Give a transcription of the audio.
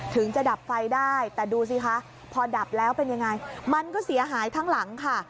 ถึงจะดับไฟได้แต่ดูสิคะพอดับแล้วเป็นยังไงมันก็เสียหายทั้งหลังค่ะ